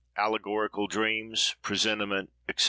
ALLEGORICAL DREAMS, PRESENTIMENT, ETC.